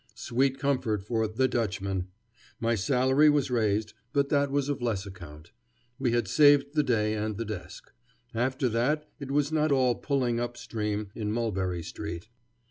Sweet comfort for "the Dutchman"! My salary was raised, but that was of less account. We had saved the day and the desk. After that it was not all pulling up stream in Mulberry Street.